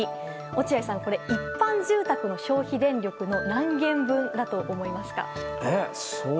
落合さん、一般住宅の消費電力の何軒分だと思いますか？